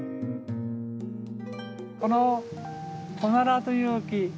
このコナラという木